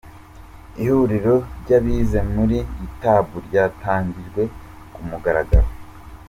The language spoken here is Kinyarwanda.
Ihuriro ry’abize muri yutabu ryatangijwe ku mugaragaro